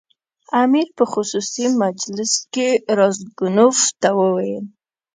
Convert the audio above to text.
امیر په خصوصي مجلس کې راسګونوف ته وویل.